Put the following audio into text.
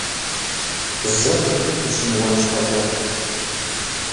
Зэ бжыжыт ущымыуэн щхьэкӀэ.